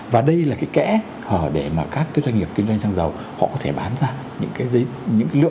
và đây là cái kẽ hở để mà các doanh nghiệp kinh doanh xăng dầu họ có thể bán ra những cái lượng hàng hóa